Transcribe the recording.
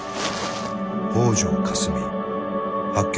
北條かすみ発見